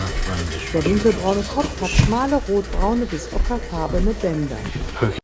Der dunkelbraune Kopf hat schmale rotbraune bis ockerfarbene Bänder.